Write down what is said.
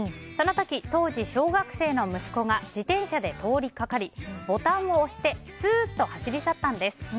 その時、当時小学生の息子が自転車で通りかかりボタンを押してスーッと走り去ったんです。